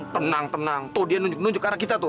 tenang tenang toh dia nunjuk nunjuk ke arah kita tuh